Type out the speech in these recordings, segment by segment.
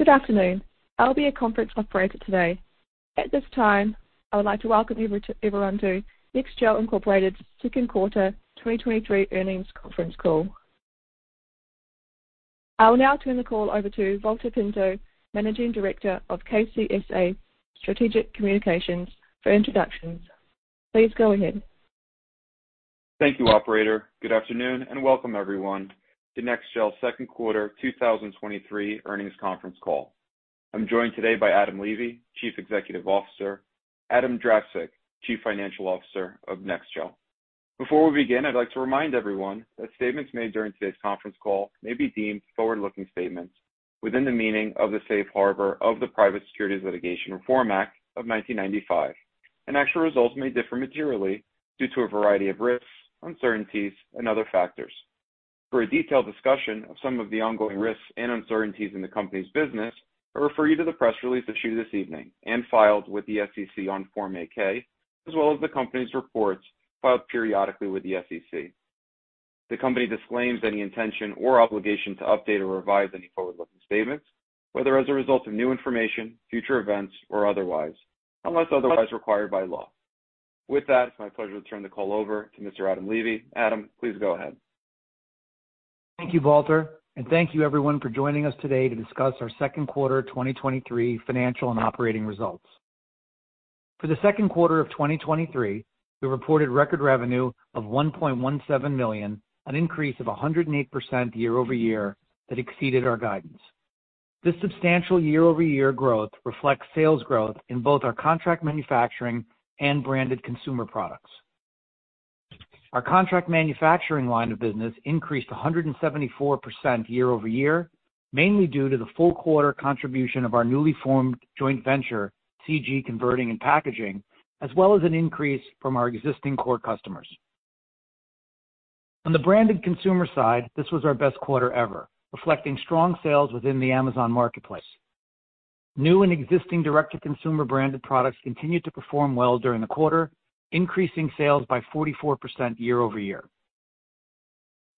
Good afternoon. I'll be your conference operator today. At this time, I would like to welcome everyone to NEXGEL, Incorporated's second quarter 2023 earnings conference call. I will now turn the call over to Valter Pinto, Managing Director of KCSA Strategic Communications, for introductions. Please go ahead. Thank you, operator. Good afternoon, and welcome everyone to NEXGEL's second quarter 2023 earnings conference call. I'm joined today by Adam Levy, Chief Executive Officer, Adam Drapczuk, Chief Financial Officer of NEXGEL. Before we begin, I'd like to remind everyone that statements made during today's conference call may be deemed forward-looking statements within the meaning of the safe harbor of the Private Securities Litigation Reform Act of 1995. Actual results may differ materially due to a variety of risks, uncertainties, and other factors. For a detailed discussion of some of the ongoing risks and uncertainties in the company's business, I refer you to the press release issued this evening and filed with the SEC on Form 8-K, as well as the company's reports filed periodically with the SEC. The company disclaims any intention or obligation to update or revise any forward-looking statements, whether as a result of new information, future events, or otherwise, unless otherwise required by law. With that, it's my pleasure to turn the call over to Mr. Adam Levy. Adam, please go ahead. Thank you, Valter, and thank you everyone for joining us today to discuss our second quarter 2023 financial and operating results. For the second quarter of 2023, we reported record revenue of $1.17 million, an increase of 108% year-over-year, that exceeded our guidance. This substantial year-over-year growth reflects sales growth in both our contract manufacturing and branded consumer products. Our contract manufacturing line of business increased 174% year-over-year, mainly due to the full quarter contribution of our newly formed joint venture, CG Converting and Packaging, as well as an increase from our existing core customers. On the branded consumer side, this was our best quarter ever, reflecting strong sales within the Amazon Marketplace. New and existing direct-to-consumer branded products continued to perform well during the quarter, increasing sales by 44% year-over-year.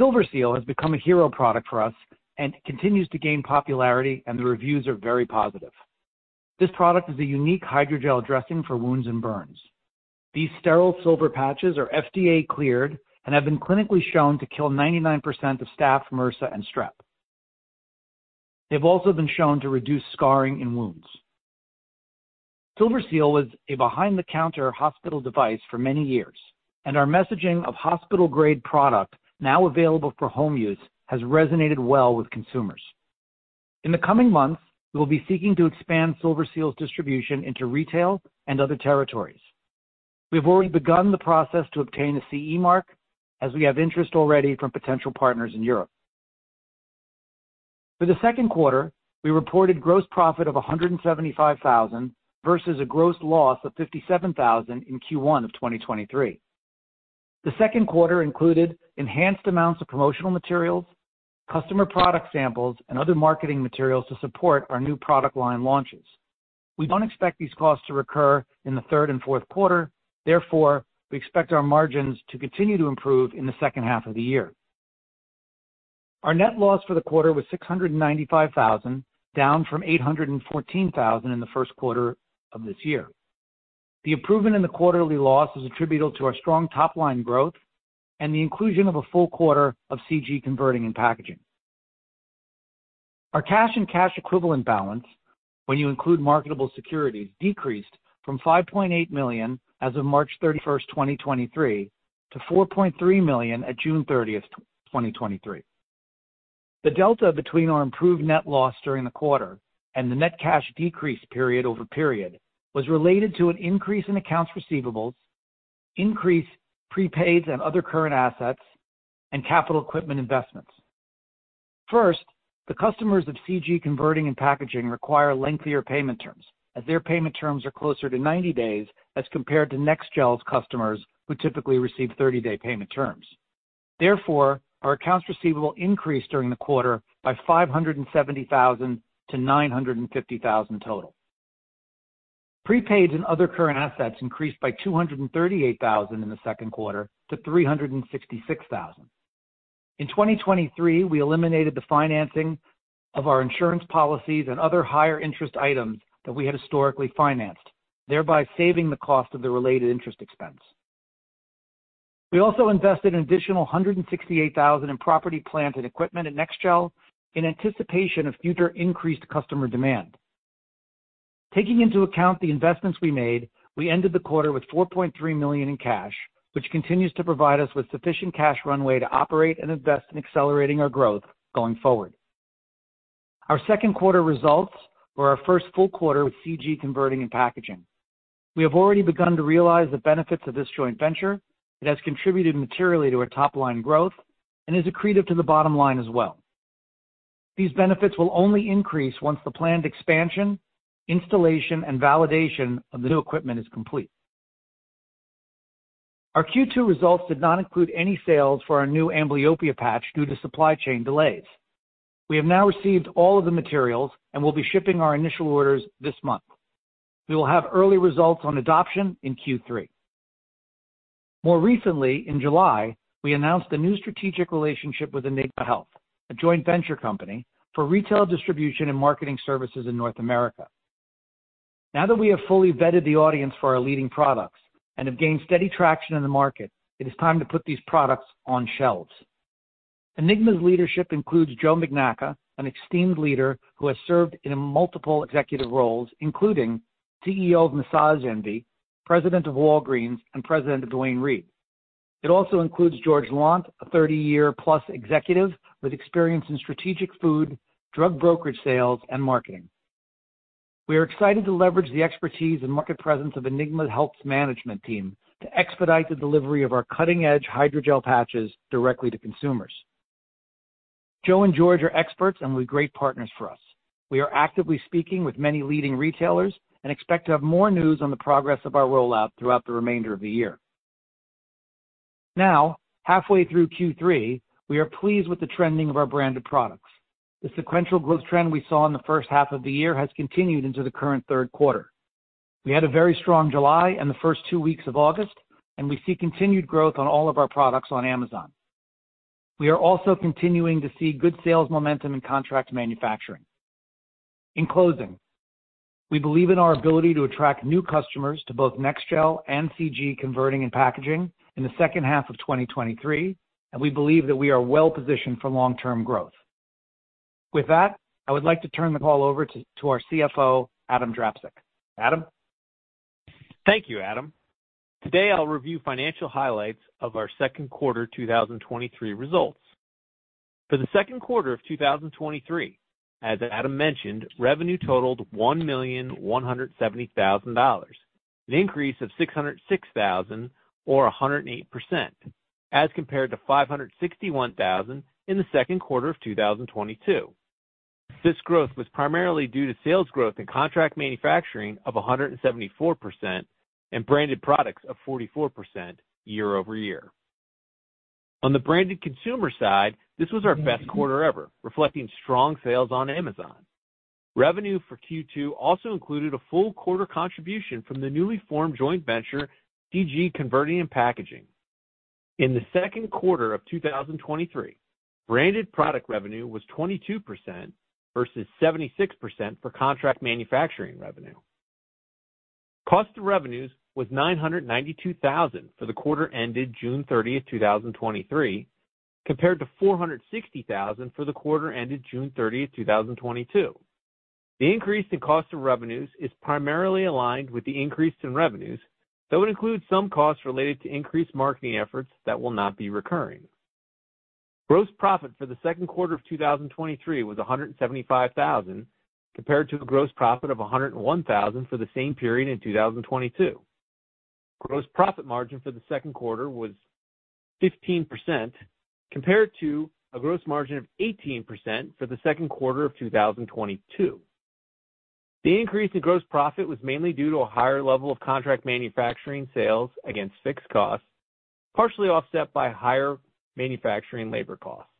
SilverSeal has become a hero product for us and continues to gain popularity, and the reviews are very positive. This product is a unique hydrogel dressing for wounds and burns. These sterile silver patches are FDA cleared and have been clinically shown to kill 99% of staph, MRSA, and strep. They've also been shown to reduce scarring in wounds. SilverSeal was a behind-the-counter hospital device for many years, and our messaging of hospital-grade product, now available for home use, has resonated well with consumers. In the coming months, we will be seeking to expand SilverSeal's distribution into retail and other territories. We've already begun the process to obtain a CE mark as we have interest already from potential partners in Europe. For the second quarter, we reported gross profit of $175,000 versus a gross loss of $57,000 in Q1 of 2023. The second quarter included enhanced amounts of promotional materials, customer product samples, and other marketing materials to support our new product line launches. We don't expect these costs to recur in the third and fourth quarter, therefore, we expect our margins to continue to improve in the second half of the year. Our net loss for the quarter was $695,000, down from $814,000 in the first quarter of this year. The improvement in the quarterly loss is attributable to our strong top-line growth and the inclusion of a full quarter of CG Converting and Packaging. Our cash and cash equivalent balance, when you include marketable securities, decreased from $5.8 million as of March 31, 2023, to $4.3 million at June 30, 2023. The delta between our improved net loss during the quarter and the net cash decrease period over period, was related to an increase in accounts receivables, increase prepaids and other current assets, and capital equipment investments. First, the customers of CG Converting and Packaging require lengthier payment terms, as their payment terms are closer to 90 days as compared to NEXGEL's customers, who typically receive 30-day payment terms. Therefore, our accounts receivable increased during the quarter by $570,000 - $950,000 total. Prepaids and other current assets increased by $238,000 in the second quarter to $366,000. In 2023, we eliminated the financing of our insurance policies and other higher interest items that we had historically financed, thereby saving the cost of the related interest expense. We also invested an additional $168,000 in property, plant, and equipment at NEXGEL in anticipation of future increased customer demand. Taking into account the investments we made, we ended the quarter with $4.3 million in cash, which continues to provide us with sufficient cash runway to operate and invest in accelerating our growth going forward. Our second quarter results were our first full quarter with CG Converting and Packaging. We have already begun to realize the benefits of this joint venture. It has contributed materially to our top-line growth and is accretive to the bottom line as well. These benefits will only increase once the planned expansion, installation, and validation of the new equipment is complete. Our Q2 results did not include any sales for our new amblyopia patch due to supply chain delays. We have now received all of the materials and will be shipping our initial orders this month. We will have early results on adoption in Q3. More recently, in July, we announced a new strategic relationship with Enigma Health, a joint venture company for retail distribution and marketing services in North America. Now that we have fully vetted the audience for our leading products and have gained steady traction in the market, it is time to put these products on shelves. Enigma's leadership includes Joe Magnacca, an esteemed leader who has served in multiple executive roles, including CEO of Massage Envy, President of Walgreens, and President of Duane Reade. It also includes George Lant, a 30-year-plus executive with experience in strategic food, drug brokerage, sales, and marketing. We are excited to leverage the expertise and market presence of Enigma Health management team to expedite the delivery of our cutting-edge hydrogel patches directly to consumers. Joe and George are experts and will be great partners for us. We are actively speaking with many leading retailers and expect to have more news on the progress of our rollout throughout the remainder of the year. Now, halfway through Q3, we are pleased with the trending of our branded products. The sequential growth trend we saw in the first half of the year has continued into the current third quarter. We had a very strong July and the first two weeks of August, and we see continued growth on all of our products on Amazon. We are also continuing to see good sales momentum in contract manufacturing. In closing, we believe in our ability to attract new customers to both NEXGEL and CG Converting and Packaging in the second half of 2023, and we believe that we are well positioned for long-term growth. With that, I would like to turn the call over to our CFO, Adam Drapczuk. Adam? Thank you, Adam. Today, I'll review financial highlights of our second quarter 2023 results. For the second quarter of 2023, as Adam mentioned, revenue totaled $1,170,000, an increase of $606,000 or 108%, as compared to $561,000 in the second quarter of 2022. This growth was primarily due to sales growth in contract manufacturing of 174% and branded products of 44% year-over-year. On the branded consumer side, this was our best quarter ever, reflecting strong sales on Amazon. Revenue for Q2 also included a full quarter contribution from the newly formed joint venture, CG Converting and Packaging. In the second quarter of 2023, branded product revenue was 22% versus 76% for contract manufacturing revenue. Cost of revenues was $992,000 for the quarter ended June 30th, 2023, compared to $460,000 for the quarter ended June 30th, 2022. The increase in cost of revenues is primarily aligned with the increase in revenues. That would include some costs related to increased marketing efforts that will not be recurring. Gross profit for the second quarter of 2023 was $175,000, compared to a gross profit of $101,000 for the same period in 2022. Gross profit margin for the second quarter was 15%, compared to a gross margin of 18% for the second quarter of 2022. The increase in gross profit was mainly due to a higher level of contract manufacturing sales against fixed costs, partially offset by higher manufacturing labor costs.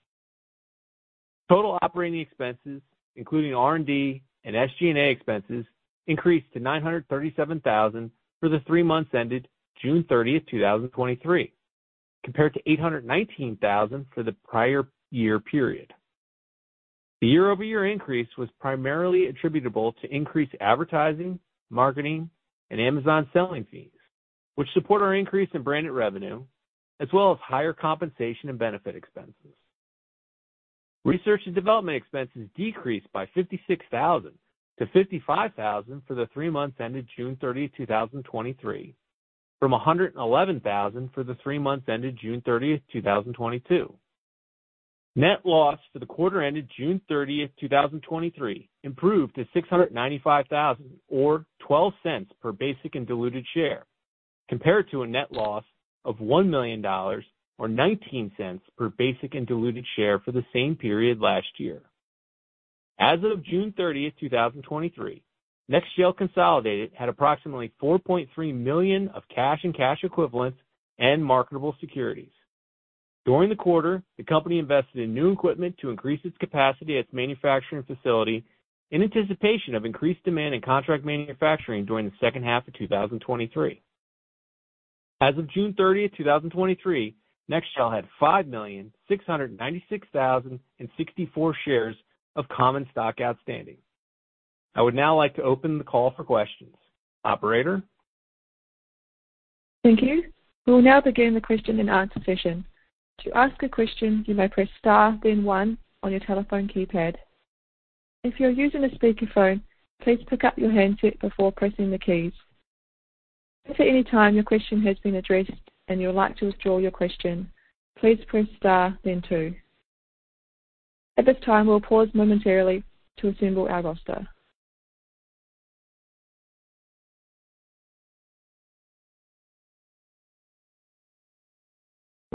Total operating expenses, including R&D and SG&A expenses, increased to $937,000 for the three months ended June 30, 2023, compared to $819,000 for the prior year period. The year-over-year increase was primarily attributable to increased advertising, marketing, and Amazon selling fees, which support our increase in branded revenue, as well as higher compensation and benefit expenses. Research and development expenses decreased by $56,000 - $55,000 for the three months ended June 30th, 2023, from $111,000 for the three months ended June 30th, 2022. Net loss for the quarter ended June 30th, 2023, improved to $695,000 or $0.12 per basic and diluted share, compared to a net loss of $1 million or $0.19 per basic and diluted share for the same period last year. As of June 30th, 2023, NEXGEL consolidated had approximately $4.3 million of cash and cash equivalents and marketable securities. During the quarter, the company invested in new equipment to increase its capacity at its manufacturing facility in anticipation of increased demand in contract manufacturing during the second half of 2023. As of June thirtieth, 2023, NEXGEL had 5,696,064 shares of common stock outstanding. I would now like to open the call for questions. Operator? Thank you. We will now begin the question and answer session. To ask a question, you may press star then one on your telephone keypad. If you're using a speakerphone, please pick up your handset before pressing the keys. If at any time your question has been addressed and you would like to withdraw your question, please press star then two. At this time, we'll pause momentarily to assemble our roster.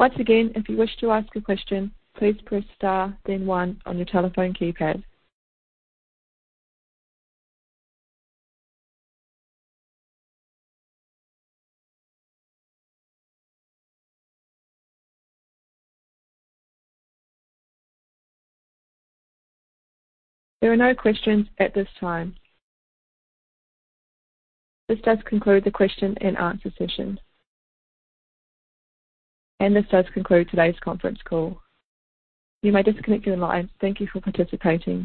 Once again, if you wish to ask a question, please press star then one on your telephone keypad. There are no questions at this time. This does conclude the question and answer session. This does conclude today's conference call. You may disconnect your lines. Thank you for participating.